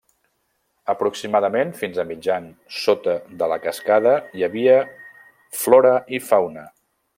Aproximadament fins a mitjan sota de la cascada hi havia flora i fauna.